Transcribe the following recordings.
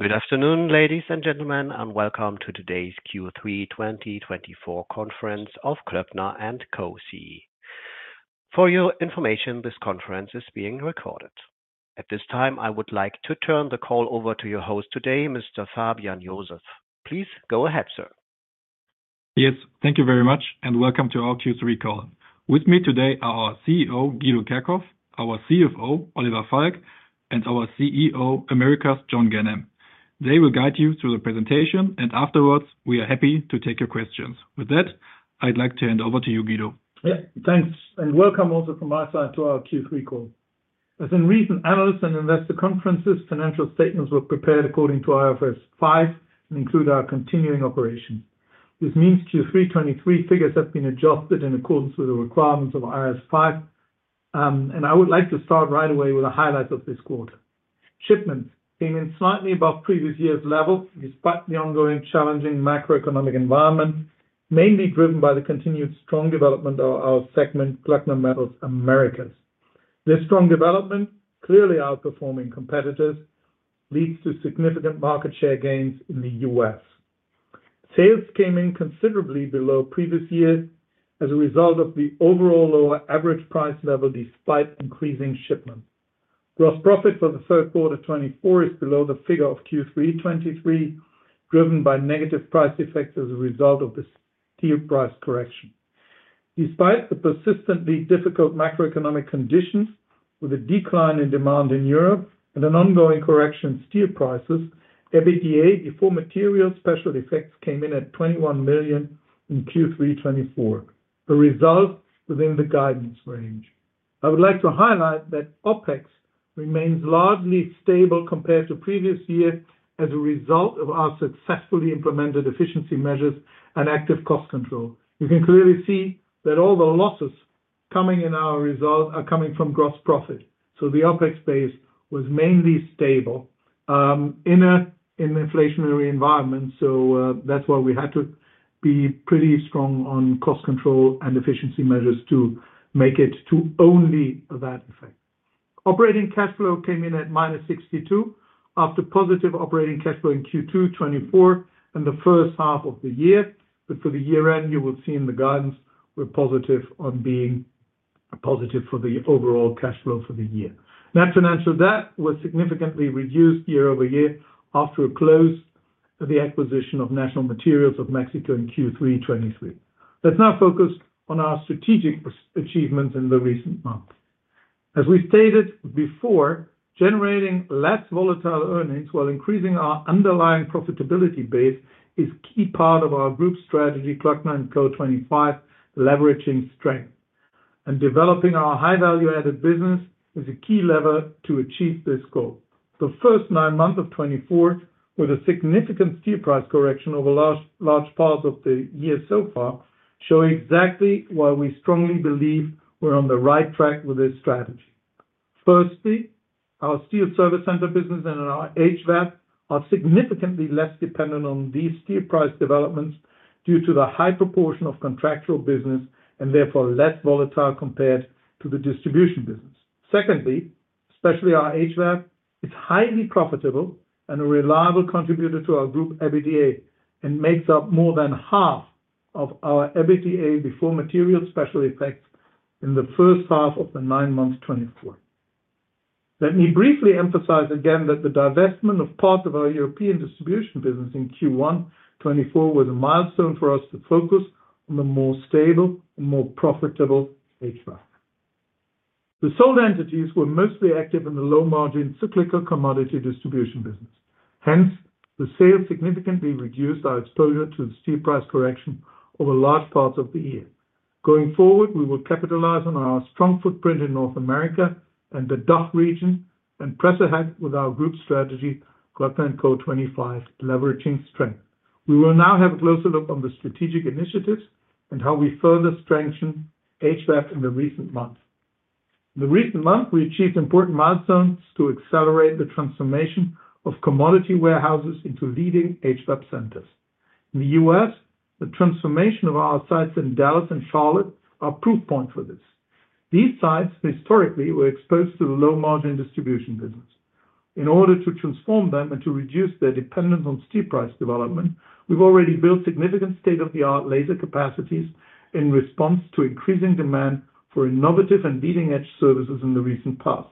Good afternoon, ladies and gentlemen, and welcome to today's Q3 2024 Conference of Klöckner & Co SE. For your information, this conference is being recorded. At this time, I would like to turn the call over to your host today, Mr. Fabian Joseph. Please go ahead, sir. Yes, thank you very much, and welcome to our Q3 call. With me today are our CEO, Guido Kerkhoff, our CFO, Oliver Falk, and our CEO, Americas John Ganem. They will guide you through the presentation, and afterwards, we are happy to take your questions. With that, I'd like to hand over to you, Guido. Yes, thanks, and welcome also from my side to our Q3 call. As in recent analysts and investor conferences, financial statements were prepared according to IFRS 5 and include our continuing operations. This means Q3 2023 figures have been adjusted in accordance with the requirements of IFRS 5, and I would like to start right away with a highlight of this quarter. Shipments came in slightly above previous year's level, despite the ongoing challenging macroeconomic environment, mainly driven by the continued strong development of our segment, Klöckner & Co Americas. This strong development, clearly outperforming competitors, leads to significant market share gains in the U.S. Sales came in considerably below previous year as a result of the overall lower average price level, despite increasing shipments. Gross profit for the third quarter 2024 is below the figure of Q3 2023, driven by negative price effects as a result of the steel price correction. Despite the persistently difficult macroeconomic conditions, with a decline in demand in Europe and an ongoing correction in steel prices, EBITDA before material special effects came in at 21 million in Q3 2024, a result within the guidance range. I would like to highlight that OpEx remains largely stable compared to previous year as a result of our successfully implemented efficiency measures and active cost control. You can clearly see that all the losses coming in our result are coming from gross profit, so the OpEx base was mainly stable in an inflationary environment, so that's why we had to be pretty strong on cost control and efficiency measures to make it to only that effect. Operating cash flow came in at -62 after positive operating cash flow in Q2 2024 and the first half of the year, but for the year end, you will see in the guidance we're positive on being positive for the overall cash flow for the year. Net financial debt was significantly reduced year over year after a close of the acquisition of National Material of Mexico in Q3 2023. Let's now focus on our strategic achievements in the recent months. As we stated before, generating less volatile earnings while increasing our underlying profitability base is a key part of our group strategy Klöckner & Co SE 2025, leveraging strength and developing our high value-added business is a key lever to achieve this goal. The first nine months of 2024, with a significant steel price correction over large parts of the year so far, show exactly why we strongly believe we're on the right track with this strategy. Firstly, our steel service center business and our HVAB are significantly less dependent on these steel price developments due to the high proportion of contractual business and therefore less volatile compared to the distribution business. Secondly, especially our HVAB, it's highly profitable and a reliable contributor to our group EBITDA and makes up more than half of our EBITDA before material special effects in the first half of the nine months 2024. Let me briefly emphasize again that the divestment of parts of our European distribution business in Q1 2024 was a milestone for us to focus on a more stable and more profitable HVAB. The sold entities were mostly active in the low-margin cyclical commodity distribution business. Hence, the sales significantly reduced our exposure to the steel price correction over large parts of the year. Going forward, we will capitalize on our strong footprint in North America and the DACH region and press ahead with our group strategy Klöckner & Co 2025, leveraging strength. We will now have a closer look on the strategic initiatives and how we further strengthen HVAB in the recent months. In the recent months, we achieved important milestones to accelerate the transformation of commodity warehouses into leading HVAB centers. In the US, the transformation of our sites in Dallas and Charlotte are proof points for this. These sites historically were exposed to the low-margin distribution business. In order to transform them and to reduce their dependence on steel price development, we've already built significant state-of-the-art laser capacities in response to increasing demand for innovative and leading-edge services in the recent past.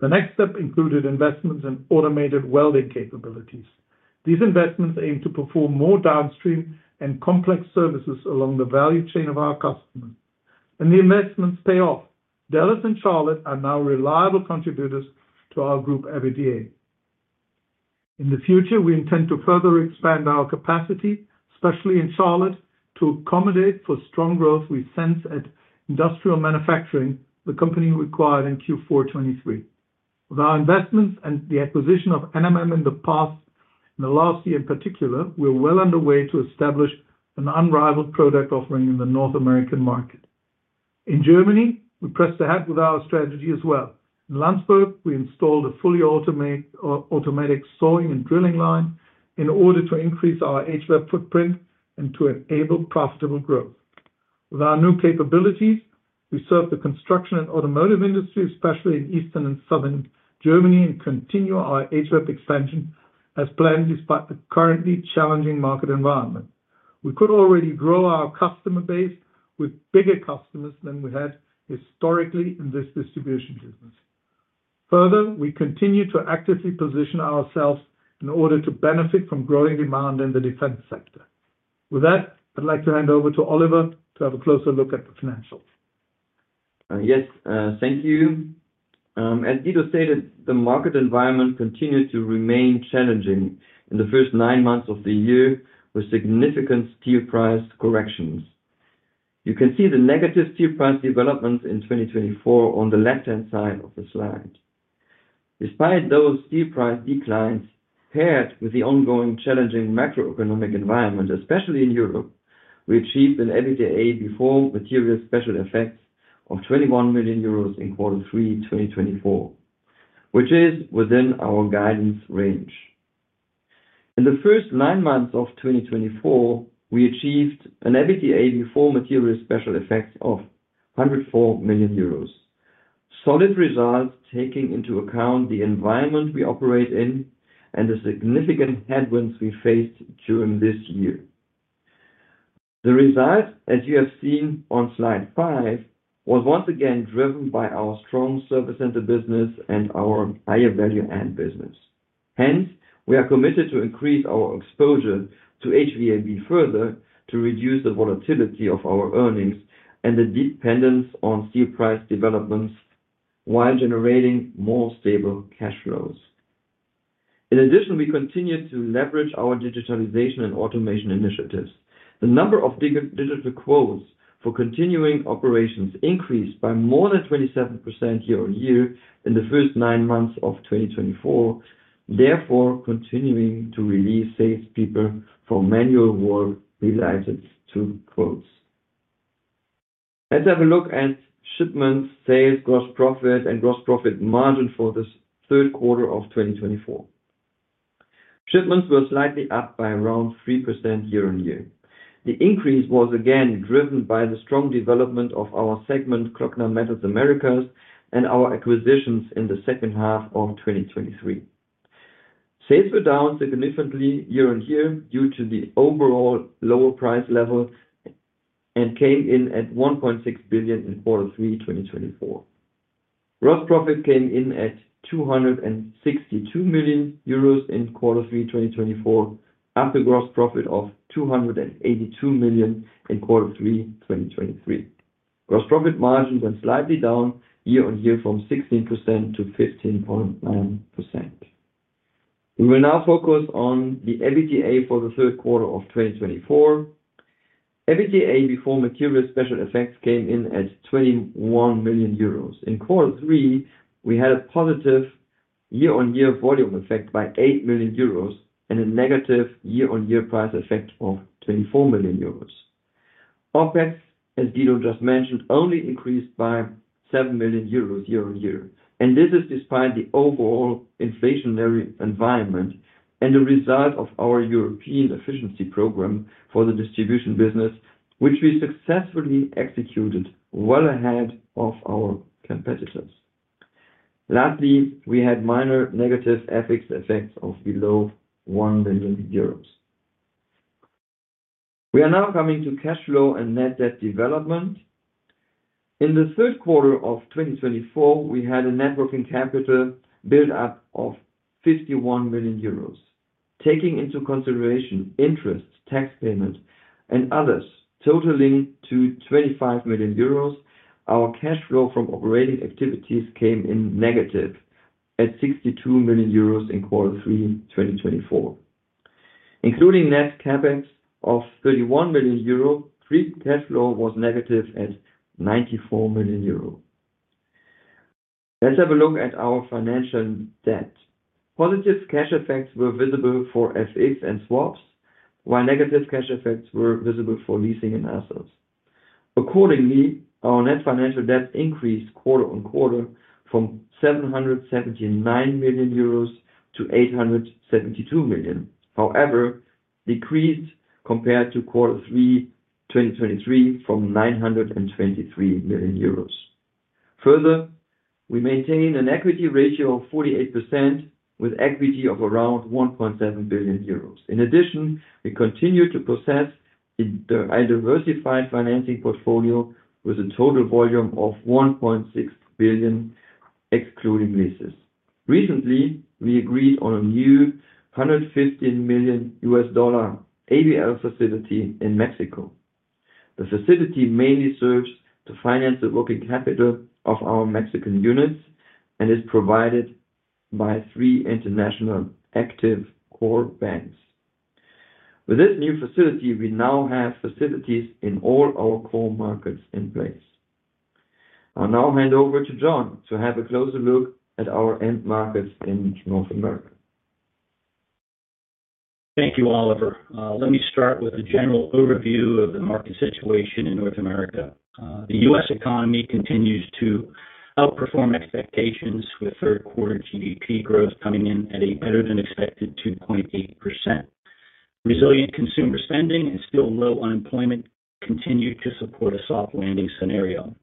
The next step included investments in automated welding capabilities. These investments aim to perform more downstream and complex services along the value chain of our customers, and the investments pay off. Dallas and Charlotte are now reliable contributors to our group EBITDA. In the future, we intend to further expand our capacity, especially in Charlotte, to accommodate for strong growth we sense at Industrial Manufacturing, the company acquired in Q4 2023. With our investments and the acquisition of NMM in the past, in the last year in particular, we're well underway to establish an unrivaled product offering in the North American market. In Germany, we pressed ahead with our strategy as well. In Landsberg, we installed a fully automatic sawing and drilling line in order to increase our HVAB footprint and to enable profitable growth. With our new capabilities, we serve the construction and automotive industry, especially in Eastern and Southern Germany, and continue our HVAB expansion as planned despite the currently challenging market environment. We could already grow our customer base with bigger customers than we had historically in this distribution business. Further, we continue to actively position ourselves in order to benefit from growing demand in the defense sector. With that, I'd like to hand over to Oliver to have a closer look at the financials. Yes, thank you. As Guido stated, the market environment continues to remain challenging in the first nine months of the year with significant steel price corrections. You can see the negative steel price developments in 2024 on the left-hand side of the slide. Despite those steel price declines, paired with the ongoing challenging macroeconomic environment, especially in Europe, we achieved an EBITDA before material special effects of 21 million euros in quarter three 2024, which is within our guidance range. In the first nine months of 2024, we achieved an EBITDA before material special effects of 104 million euros. Solid results taking into account the environment we operate in and the significant headwinds we faced during this year. The result, as you have seen on slide five, was once again driven by our strong service center business and our higher value-added business. Hence, we are committed to increase our exposure to HVAB further to reduce the volatility of our earnings and the dependence on steel price developments while generating more stable cash flows. In addition, we continue to leverage our digitalization and automation initiatives. The number of digital quotes for continuing operations increased by more than 27% year on year in the first nine months of 2024, therefore continuing to release salespeople for manual work related to quotes. Let's have a look at shipments, sales, gross profit, and gross profit margin for the third quarter of 2024. Shipments were slightly up by around 3% year on year. The increase was again driven by the strong development of our segment, Klöckner & Co Americas, and our acquisitions in the second half of 2023. Sales were down significantly year on year due to the overall lower price level and came in at 1.6 billion in quarter three 2024. Gross profit came in at 262 million euros in quarter three 2024, after gross profit of 282 million in quarter three 2023. Gross profit margins went slightly down year on year from 16% to 15.9%. We will now focus on the EBITDA for the third quarter of 2024. EBITDA before material special effects came in at 21 million euros. In quarter three, we had a positive year-on-year volume effect by eight million euros and a negative year-on-year price effect of 24 million euros. OpEx, as Guido just mentioned, only increased by seven million euros year on year, and this is despite the overall inflationary environment and the result of our European efficiency program for the distribution business, which we successfully executed well ahead of our competitors. Lastly, we had minor negative FX effects of below 1 million euros. We are now coming to cash flow and net debt development. In the third quarter of 2024, we had a net working capital build-up of 51 million euros. Taking into consideration interest, tax payment, and others totaling to 25 million euros, our cash flow from operating activities came in negative at 62 million euros in quarter three 2024. Including net CapEx of 31 million euro, free cash flow was negative at 94 million euro. Let's have a look at our financial debt. Positive cash effects were visible for FX and swaps, while negative cash effects were visible for leasing and assets. Accordingly, our net financial debt increased quarter on quarter from 779 million euros to 872 million, however decreased compared to quarter three 2023 from 923 million euros. Further, we maintain an equity ratio of 48% with equity of around 1.7 billion euros. In addition, we continue to possess a diversified financing portfolio with a total volume of 1.6 billion excluding leases. Recently, we agreed on a new $115 million ABL facility in Mexico. The facility mainly serves to finance the working capital of our Mexican units and is provided by three international active core banks. With this new facility, we now have facilities in all our core markets in place. I'll now hand over to John to have a closer look at our end markets in North America. Thank you, Oliver. Let me start with a general overview of the market situation in North America. The U.S. economy continues to outperform expectations with third-quarter GDP growth coming in at a better-than-expected 2.8%. Resilient consumer spending and still low unemployment continue to support a soft landing scenario.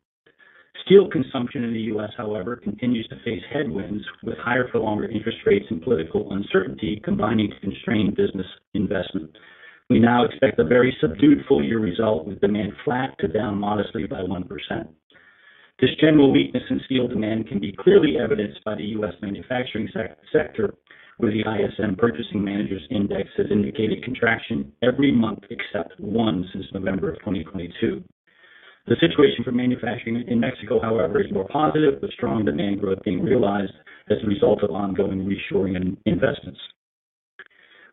Steel consumption in the U.S., however, continues to face headwinds with higher for longer interest rates and political uncertainty combining constrained business investment. We now expect a very subdued full-year result with demand flat to down modestly by 1%. This general weakness in steel demand can be clearly evidenced by the U.S. manufacturing sector, where the ISM Purchasing Managers Index has indicated contraction every month except one since November of 2022. The situation for manufacturing in Mexico, however, is more positive, with strong demand growth being realized as a result of ongoing reshoring and investments.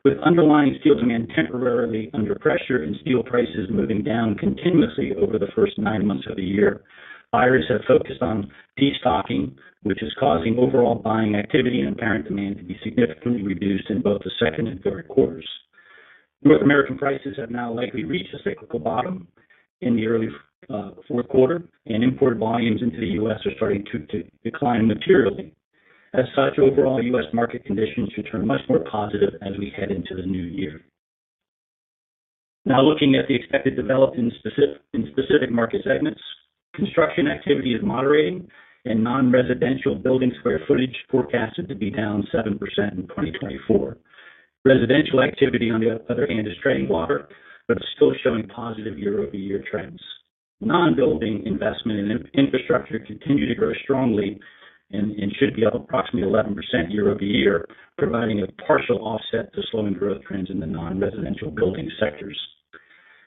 With underlying steel demand temporarily under pressure and steel prices moving down continuously over the first nine months of the year, buyers have focused on destocking, which is causing overall buying activity and apparent demand to be significantly reduced in both the second and third quarters. North American prices have now likely reached a cyclical bottom in the early fourth quarter, and import volumes into the U.S. are starting to decline materially. As such, overall U.S. market conditions should turn much more positive as we head into the new year. Now, looking at the expected developed and specific market segments, construction activity is moderating, and non-residential building square footage forecasted to be down 7% in 2024. Residential activity, on the other hand, is trending lower, but still showing positive year-over-year trends. Non-building investment and infrastructure continue to grow strongly and should be up approximately 11% year-over-year, providing a partial offset to slowing growth trends in the non-residential building sectors.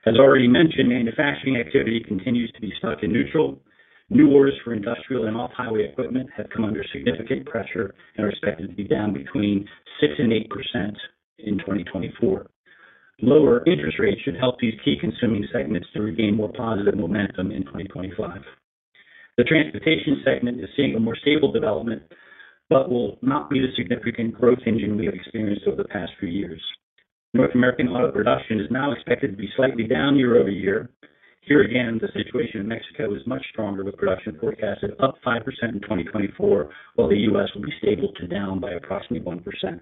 As already mentioned, manufacturing activity continues to be stuck in neutral. New orders for industrial and off-highway equipment have come under significant pressure and are expected to be down between 6% and 8% in 2024. Lower interest rates should help these key consuming segments to regain more positive momentum in 2025. The transportation segment is seeing a more stable development, but will not be the significant growth engine we have experienced over the past few years. North American auto production is now expected to be slightly down year-over-year. Here again, the situation in Mexico is much stronger, with production forecasted up 5% in 2024, while the U.S. will be stable to down by approximately 1%.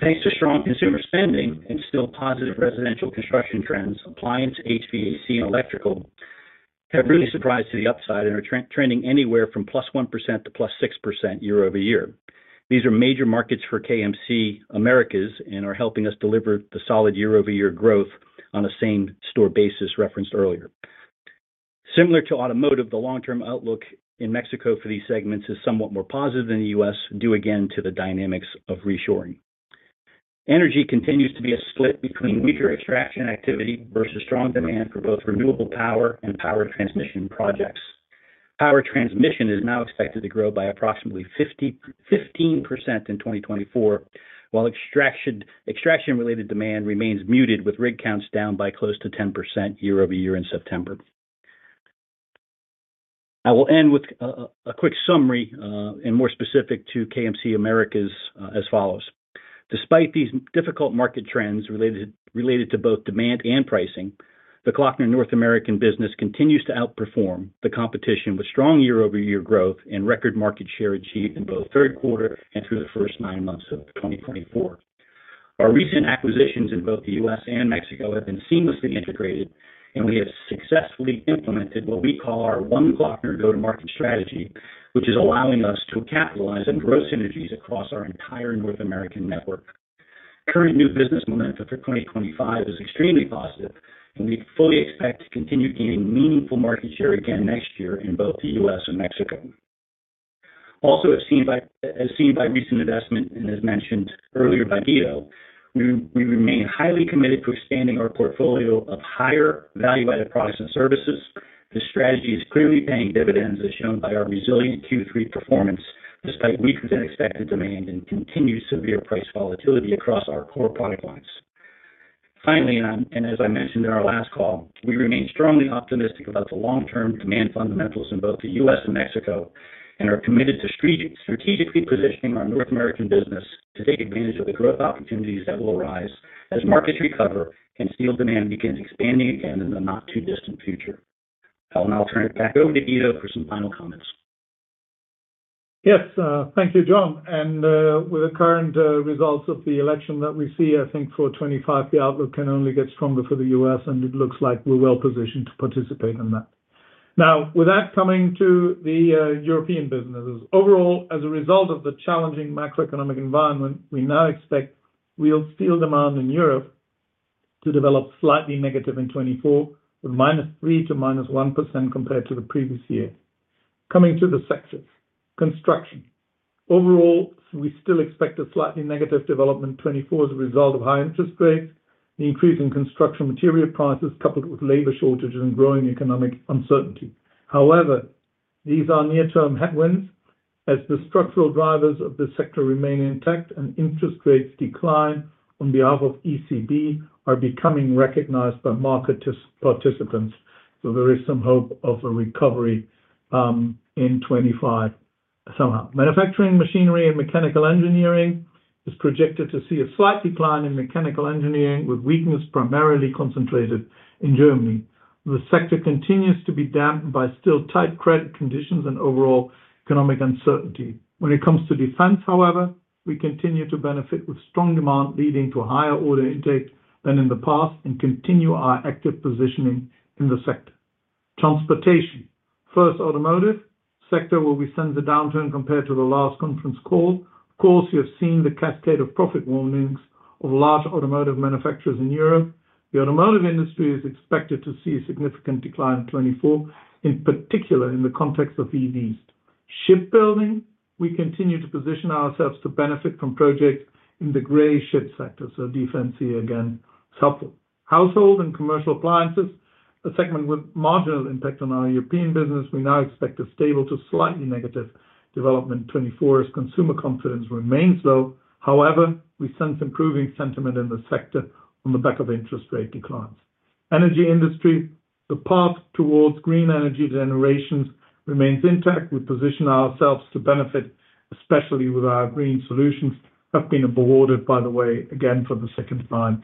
Thanks to strong consumer spending and still positive residential construction trends, appliance, HVAC, and electrical have really surprised to the upside and are trending anywhere from plus 1% to plus 6% year-over-year. These are major markets for KMC Americas and are helping us deliver the solid year-over-year growth on the same store basis referenced earlier. Similar to automotive, the long-term outlook in Mexico for these segments is somewhat more positive than the US, due again to the dynamics of reshoring. Energy continues to be a split between weaker extraction activity versus strong demand for both renewable power and power transmission projects. Power transmission is now expected to grow by approximately 15% in 2024, while extraction-related demand remains muted, with rig counts down by close to 10% year-over-year in September. I will end with a quick summary and more specific to KMC Americas as follows. Despite these difficult market trends related to both demand and pricing, the Klöckner North American business continues to outperform the competition with strong year-over-year growth and record market share achieved in both third quarter and through the first nine months of 2024. Our recent acquisitions in both the US and Mexico have been seamlessly integrated, and we have successfully implemented what we call our One Klöckner go-to-market strategy, which is allowing us to capitalize on growth synergies across our entire North American network. Current new business momentum for 2025 is extremely positive, and we fully expect to continue gaining meaningful market share again next year in both the US and Mexico. Also, as seen by recent investment and as mentioned earlier by Guido, we remain highly committed to expanding our portfolio of higher value-added products and services. The strategy is clearly paying dividends, as shown by our resilient Q3 performance despite weaker-than-expected demand and continued severe price volatility across our core product lines. Finally, and as I mentioned in our last call, we remain strongly optimistic about the long-term demand fundamentals in both the U.S. and Mexico and are committed to strategically positioning our North American business to take advantage of the growth opportunities that will arise as markets recover and steel demand begins expanding again in the not-too-distant future. I'll now turn it back over to Guido for some final comments. Yes, thank you, John. With the current results of the election that we see, I think for 2025, the outlook can only get stronger for the U.S., and it looks like we're well positioned to participate in that. Now, with that coming to the European businesses, overall, as a result of the challenging macroeconomic environment, we now expect real steel demand in Europe to develop slightly negative in 2024, with -3% to -1% compared to the previous year. Coming to the sectors, construction, overall, we still expect a slightly negative development in 2024 as a result of high interest rates, the increase in construction material prices coupled with labor shortages and growing economic uncertainty. However, these are near-term headwinds as the structural drivers of the sector remain intact and interest rates decline on behalf of ECB are becoming recognized by market participants. There is some hope of a recovery in 2025 somehow. Manufacturing, machinery, and mechanical engineering is projected to see a slight decline in mechanical engineering, with weakness primarily concentrated in Germany. The sector continues to be dampened by still tight credit conditions and overall economic uncertainty. When it comes to defense, however, we continue to benefit with strong demand leading to higher order intake than in the past and continue our active positioning in the sector. Transportation, first automotive sector, where we sense a downturn compared to the last conference call. Of course, you have seen the cascade of profit warnings of large automotive manufacturers in Europe. The automotive industry is expected to see a significant decline in 2024, in particular in the context of EVs. Shipbuilding, we continue to position ourselves to benefit from projects in the gray ship sector, so defense here again is helpful. Household and commercial appliances, a segment with marginal impact on our European business, we now expect a stable to slightly negative development in 2024 as consumer confidence remains low. However, we sense improving sentiment in the sector on the back of interest rate declines. Energy industry, the path towards green energy generations remains intact. We position ourselves to benefit, especially with our green solutions, have been awarded, by the way, again for the second time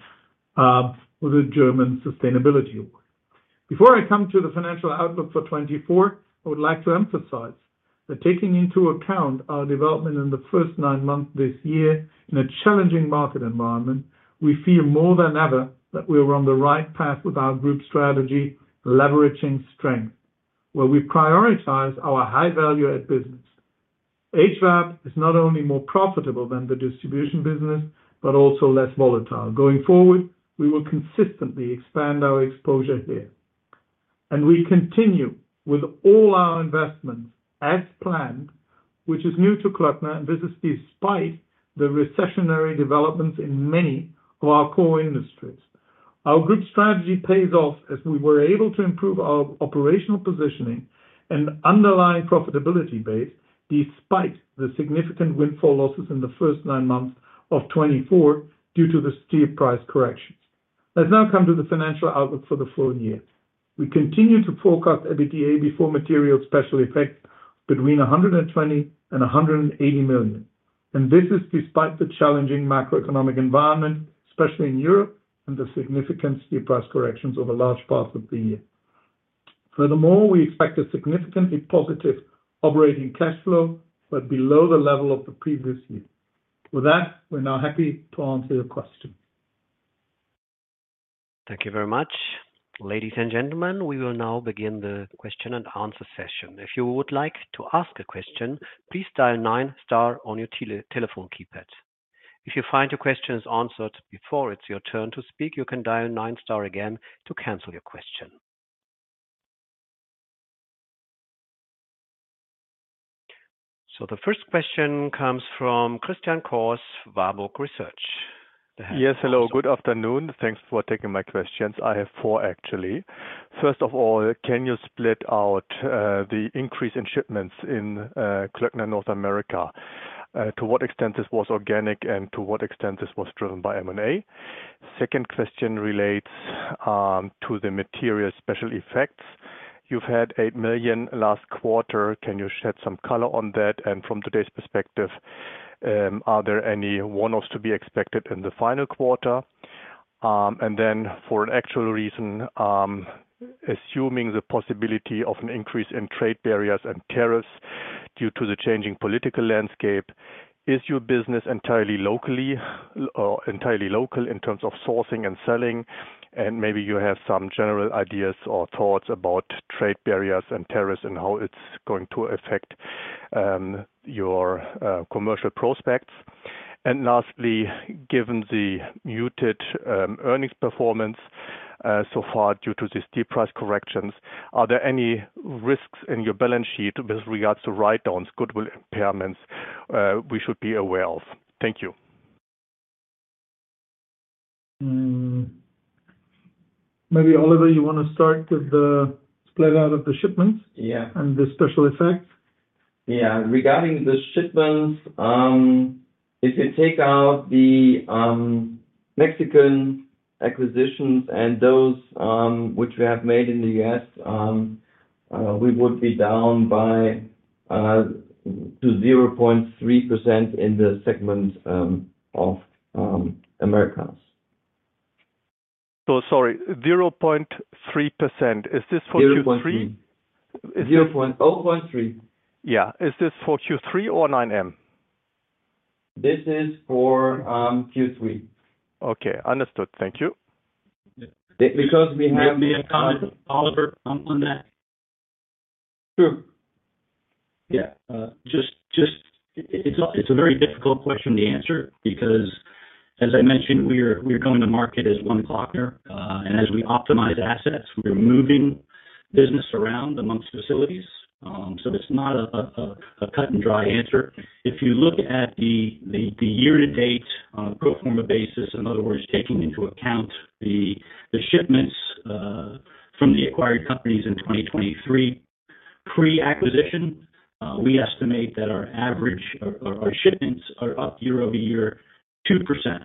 with the German Sustainability Award. Before I come to the financial outlook for 2024, I would like to emphasize that taking into account our development in the first nine months this year in a challenging market environment, we feel more than ever that we are on the right path with our group strategy, leveraging strength, where we prioritize our high-value-add business. HVAB is not only more profitable than the distribution business, but also less volatile. Going forward, we will consistently expand our exposure here, and we continue with all our investments as planned, which is new to Klöckner, and this is despite the recessionary developments in many of our core industries. Our group strategy pays off as we were able to improve our operational positioning and underlying profitability base despite the significant windfall losses in the first nine months of 2024 due to the steel price corrections. Let's now come to the financial outlook for the full year. We continue to forecast EBITDA before materials special effects between 120 million and 180 million. And this is despite the challenging macroeconomic environment, especially in Europe and the significant steel price corrections over large parts of the year, and this is despite the challenging macroeconomic environment, especially in Europe and the significant steel price corrections over large parts of the year. Furthermore, we expect a significantly positive operating cash flow, but below the level of the previous year. With that, we're now happy to answer your questions. Thank you very much. Ladies and gentlemen, we will now begin the question and answer session. If you would like to ask a question, please dial nine star on your telephone keypad. If you find your question is answered before it's your turn to speak, you can dial nine star again to cancel your question. So the first question comes from Christian Cohrs, Warburg Research. Yes, hello, good afternoon. Thanks for taking my questions. I have four, actually. First of all, can you split out the increase in shipments in Klöckner, North America? To what extent this was organic and to what extent this was driven by M&A? Second question relates to the material special effects. You've had 8 million last quarter. Can you shed some color on that? And from today's perspective, are there any warnings to be expected in the final quarter? And then for an actual reason, assuming the possibility of an increase in trade barriers and tariffs due to the changing political landscape, is your business entirely local in terms of sourcing and selling? And maybe you have some general ideas or thoughts about trade barriers and tariffs and how it's going to affect your commercial prospects. Lastly, given the muted earnings performance so far due to these steel price corrections, are there any risks in your balance sheet with regards to write-downs, goodwill impairments we should be aware of? Thank you. Maybe Oliver, you want to start with the split out of the shipments and the special effects? Yeah, regarding the shipments, if you take out the Mexican acquisitions and those which we have made in the U.S., we would be down by 0.3% in the segment of Americas. So sorry, 0.3%. Is this for Q3? 0.3. Yeah. Is this for Q3 or 9M? This is for Q3. Okay, understood. Thank you. Because we have. Oliver, come on that. True. Yeah. Just, it's a very difficult question to answer because, as I mentioned, we're going to market as One Klöckner, and as we optimize assets, we're moving business around amongst facilities, so it's not a cut-and-dried answer. If you look at the year-to-date pro forma basis, in other words, taking into account the shipments from the acquired companies in 2023 pre-acquisition, we estimate that our average shipments are up year-over-year 2%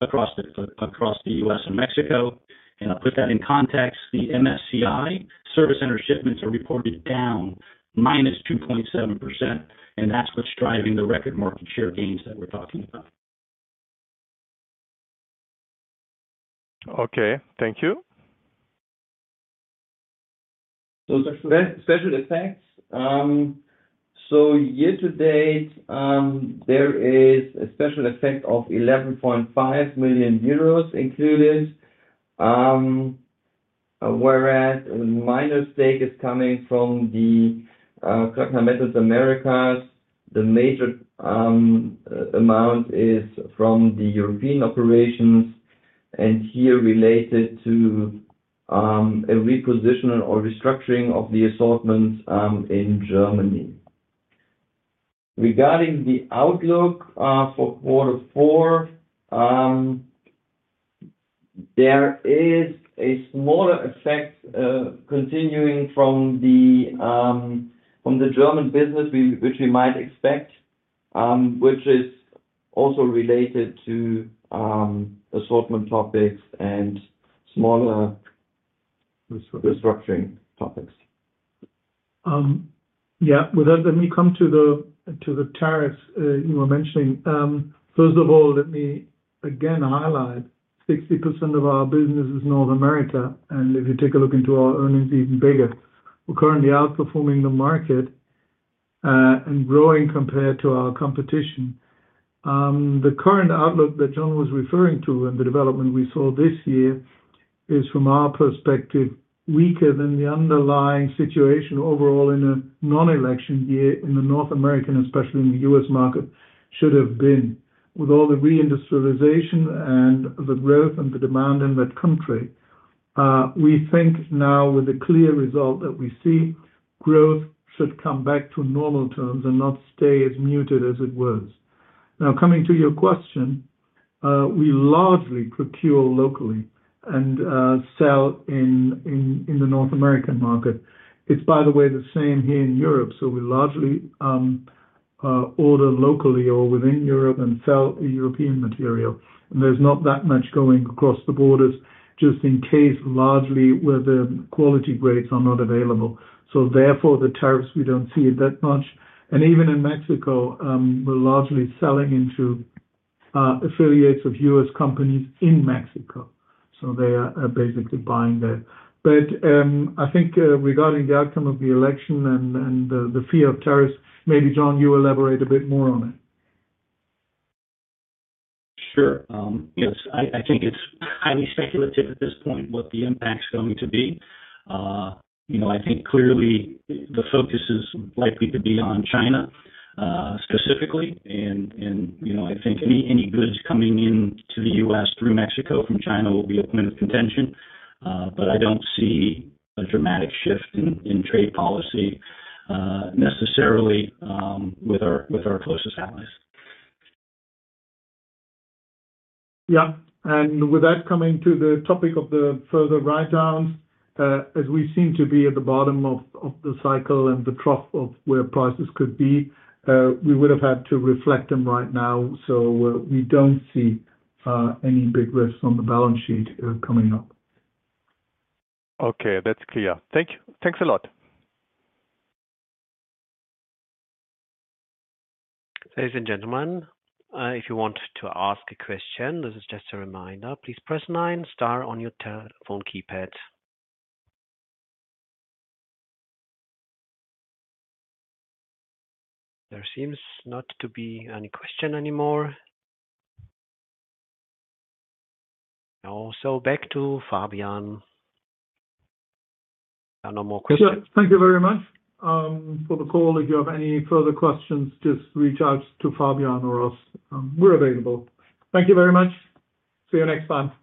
across the U.S. and Mexico, and I'll put that in context, the MSCI service center shipments are reported down -2.7%, and that's what's driving the record market share gains that we're talking about. Okay, thank you. Those are special effects. So year-to-date, there is a special effect of 11.5 million EUR included, whereas my mistake is coming from the Klöckner Metals Americas. The major amount is from the European operations and here related to a repositioning or restructuring of the assortments in Germany. Regarding the outlook for quarter four, there is a smaller effect continuing from the German business, which we might expect, which is also related to assortment topics and smaller restructuring topics. Yeah, now let me come to the tariffs you were mentioning. First of all, let me again highlight 60% of our business is North America, and if you take a look into our earnings, even bigger. We're currently outperforming the market and growing compared to our competition. The current outlook that John was referring to and the development we saw this year is, from our perspective, weaker than the underlying situation overall in a non-election year in the North American, especially in the US market, should have been. With all the reindustrialization and the growth and the demand in that country, we think now with the clear result that we see, growth should come back to normal terms and not stay as muted as it was. Now, coming to your question, we largely procure locally and sell in the North American market. It's, by the way, the same here in Europe. So we largely order locally or within Europe and sell European material. And there's not that much going across the borders, just in case largely where the quality grades are not available. So therefore, the tariffs, we don't see it that much. And even in Mexico, we're largely selling into affiliates of US companies in Mexico. So they are basically buying there. But I think regarding the outcome of the election and the fear of tariffs, maybe John, you elaborate a bit more on it. Sure. Yes, I think it's highly speculative at this point what the impact's going to be. I think clearly the focus is likely to be on China specifically, and I think any goods coming into the U.S. through Mexico from China will be a point of contention, but I don't see a dramatic shift in trade policy necessarily with our closest allies. Yeah, and with that coming to the topic of the further write-downs, as we seem to be at the bottom of the cycle and the trough of where prices could be, we would have had to reflect them right now. So we don't see any big risks on the balance sheet coming up. Okay, that's clear. Thanks a lot. Ladies and gentlemen, if you want to ask a question, this is just a reminder. Please press nine star on your telephone keypad. There seems not to be any question anymore. So back to Fabian. No more questions. Thank you very much for the call. If you have any further questions, just reach out to Fabian or us. We're available. Thank you very much. See you next time. Bye.